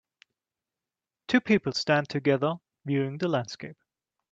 Two people stand together viewing the landscape.